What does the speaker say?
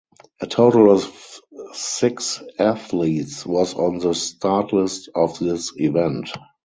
A total of six athletes was on the start list of this event.